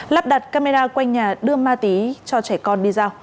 lắp đặt camera quanh nhà đưa ma túy cho trẻ con đi giao